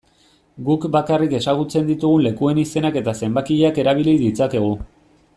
Guk bakarrik ezagutzen ditugun lekuen izenak eta zenbakiak erabil ditzakegu.